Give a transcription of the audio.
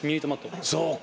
そうか。